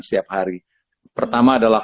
setiap hari pertama adalah